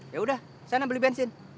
ya udah sana beli bensin